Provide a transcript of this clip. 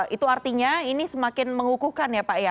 itu artinya ini semakin mengukuhkan ya pak ya